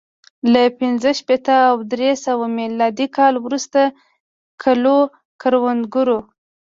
له پنځه شپېته او درې سوه میلادي کال وروسته کلو کروندګرو